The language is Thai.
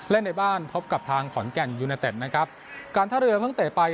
ในบ้านพบกับทางขอนแก่นยูเนเต็ดนะครับการท่าเรือเพิ่งเตะไป